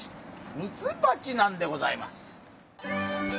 ミツバチなんでございます。